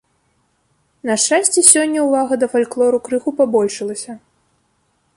На шчасце, сёння ўвага да фальклору крыху пабольшылася.